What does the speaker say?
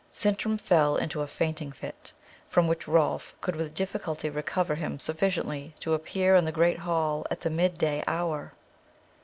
Sintram fell into a fainting fit, from which Rolf could with difficulty recover him sufficiently to appear in the great hall at the mid day hour.